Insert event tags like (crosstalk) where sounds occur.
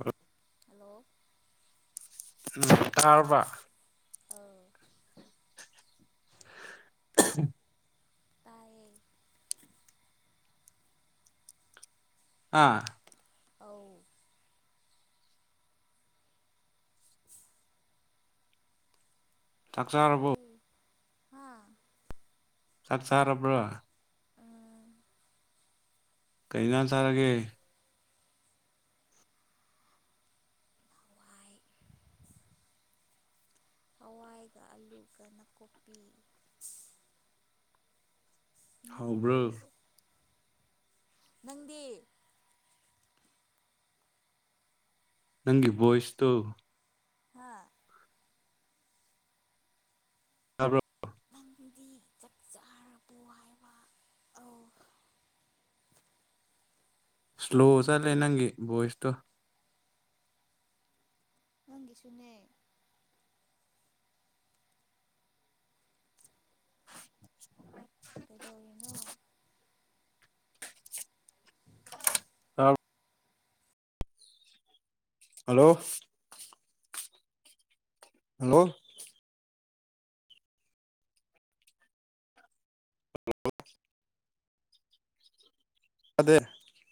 ꯑ ꯍꯂꯣ ꯀꯥꯔꯔꯕ ꯑ ꯎꯝ ꯇꯥꯏꯦ ꯑꯥ ꯑ ꯆꯥꯛ ꯆꯥꯔꯕꯣ ꯇꯥꯏꯌꯦ ꯍꯥ ꯆꯠ ꯁꯥꯔꯕ꯭ꯔꯣ ꯑꯥ ꯀꯔꯤꯅꯥ ꯆꯥꯏ ꯇꯥꯔꯒꯦ ꯍꯋꯥꯏ ꯍꯋꯥꯏꯒ ꯑꯂꯨꯒ ꯅꯥꯀꯨꯞꯄꯤ ꯅꯪꯗꯤ ꯍꯥꯎꯕ꯭ꯔꯣ ꯅꯪꯗꯤ ꯅꯪ ꯏ ꯣꯣꯏꯁꯇꯣ ꯍꯥ꯫ ꯇꯥꯕꯔꯣ꯫ ꯗꯤ ꯆꯥꯛ ꯆꯥꯔꯕꯨ ꯍꯥꯏꯕ ꯑꯧ ꯏꯁꯂꯣ ꯆꯠꯂꯦ ꯅꯪꯒꯤ ꯕꯣꯏꯁꯇꯣ꯫ ꯅꯪꯒꯤꯁꯨꯅꯦ꯫ ꯀꯩꯗꯧꯔꯤꯅꯣ꯫ ꯍꯜꯂꯣ꯫ ꯍꯜꯂꯣ꯫ (inaudible) (unintelligible)